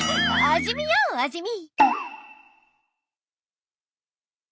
味見よ味見！